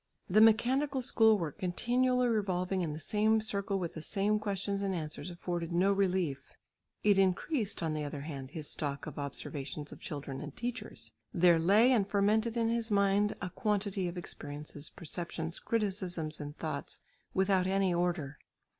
The mechanical school work continually revolving in the same circle with the same questions and answers afforded no relief. It increased on the other hand his stock of observations of children and teachers. There lay and fermented in his mind a quantity of experiences, perceptions, criticisms and thoughts without any order.